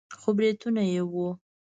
خو برېتونه يې وو.